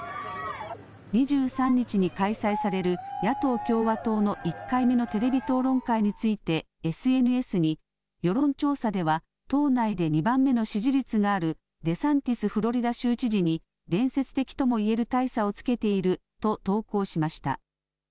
２３日に開催される野党・共和党の１回目のテレビ討論会について、ＳＮＳに、世論調査では党内で２番目の支持率があるデサンティスフロリダ州知事に伝説的ともいえる大差をつけていると投稿しました。